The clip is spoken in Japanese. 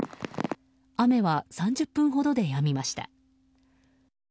雨は３０分ほどでやみました。